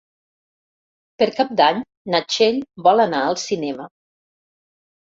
Per Cap d'Any na Txell vol anar al cinema.